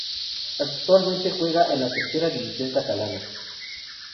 Actualmente, juega en la Tercera división catalana.